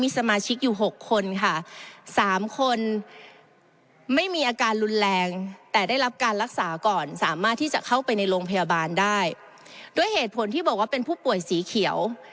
สมาชิกอยู่หกคนค่ะสามคนไม่มีอาการรุนแรงแต่ได้รับการรักษาก่อนสามารถที่จะเข้าไปในโรงพยาบาลได้ด้วยเหตุผลที่บอกว่าเป็นผู้ป่วยสีเขียว